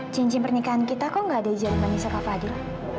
cincin pernikahan kita kok gak ada di jari manis kak fadil